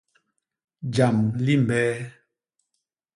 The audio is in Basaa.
Jam limbee?